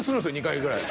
２回ぐらい。